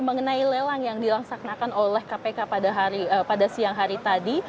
mengenai lelang yang dilaksanakan oleh kpk pada siang hari tadi